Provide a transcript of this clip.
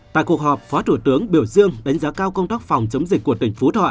tại cuộc họp phó thủ tướng biểu dương đánh giá cao công tác phòng chống dịch của tỉnh phú thọ